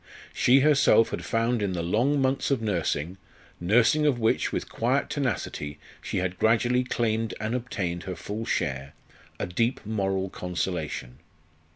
She herself had found in the long months of nursing nursing of which, with quiet tenacity, she had gradually claimed and obtained her full share a deep moral consolation.